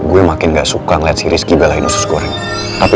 oke guys sampai jumpa lagi